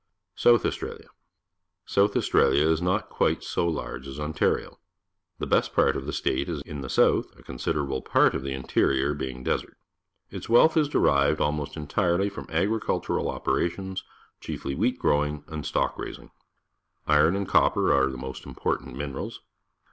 South Australia. — South Australia is not quite so large as Ontario. The best part of the state is in the south, a considerable part of the interior being desert. Its wealth is derived almost entirely from agricul tural operations, chiefly wheat growing and stock raising. Iron and copper are the most important minerals.